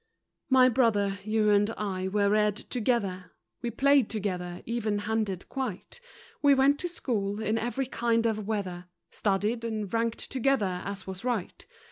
My brother, you and I were reared together; We played together, even handed quite; We went to school in every kind of weather, Studied and ranked together as was right.